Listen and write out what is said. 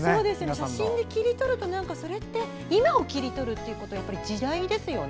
写真で切り取ると今を切り取るということで時代ですよね。